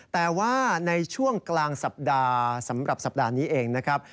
แต่ว่าในช่วงกลางสัปดาห์สำหรับสัปดาห์นี้เองนะครับ